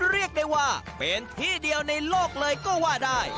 เรียกได้ว่าเป็นที่เดียวในโลกเลยก็ว่าได้